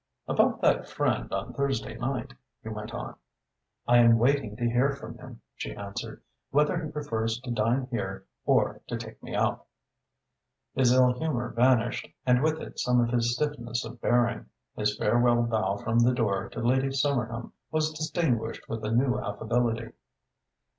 "About that friend on Thursday night?" he went on. "I am waiting to hear from him," she answered, "whether he prefers to dine here or to take me out." His ill humour vanished, and with it some of his stiffness of bearing. His farewell bow from the door to Lady Somerham was distinguished with a new affability.